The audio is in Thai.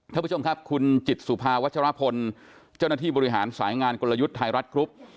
ท่านผู้ชมครับคุณจิตสุภาวัชรพลเจ้าหน้าที่บริหารสายงานกลยุทธ์ไทยรัฐกรุ๊ป